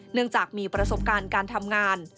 เนื่องจากมีประสบการณ์การทำงาน